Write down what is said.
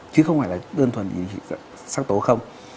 chứ không phải là đơn thuần điều trị sắc tố không